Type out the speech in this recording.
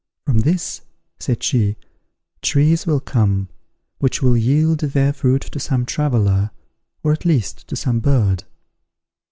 "From this," said she, "trees will come, which will yield their fruit to some traveller, or at least to some bird."